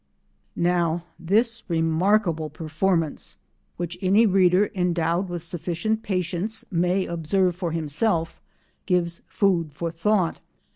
Now this remarkable performance, which any reader endowed with sufficient patience may observe for himself, gives food for thought.